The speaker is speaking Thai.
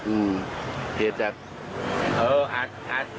อืมเคยจัด